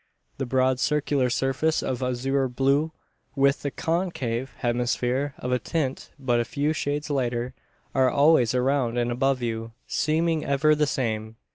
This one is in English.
The broad circular surface of azure blue, with the concave hemisphere of a tint but a few shades lighter, are always around and above you, seeming ever the same.